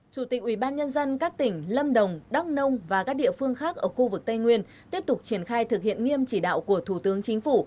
chủ tịch ubnd các tỉnh lâm đồng đắk nông và các địa phương khác ở khu vực tây nguyên tiếp tục triển khai thực hiện nghiêm chỉ đạo của thủ tướng chính phủ